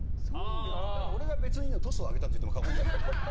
俺が別にのトスを上げたと言っても過言ではない。